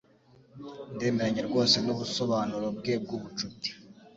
Ndemeranya rwose nubusobanuro bwe bwubucuti.